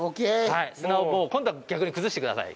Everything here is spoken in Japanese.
砂をもう今度は逆に崩してください。